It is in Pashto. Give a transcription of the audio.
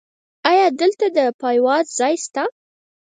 ایا دلته د پایواز ځای شته؟